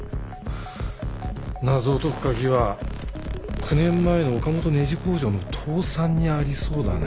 謎を解く鍵は９年前の岡本ネジ工場の倒産にありそうだね。